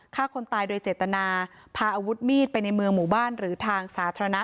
ฆ่าคนตายโดยเจตนาพาอาวุธมีดไปในเมืองหมู่บ้านหรือทางสาธารณะ